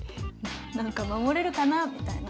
なんか守れるかなみたいな。